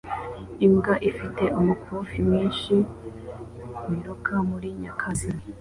Imbwa ifite umukufi mwinshi wiruka muri nyakatsi